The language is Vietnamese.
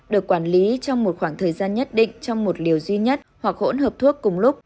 được quản lý trong một khoảng thời gian nhất định trong một liều duy nhất hoặc hỗn hợp thuốc cùng lúc